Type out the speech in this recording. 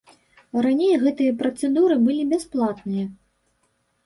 Раней гэтыя працэдуры былі бясплатныя.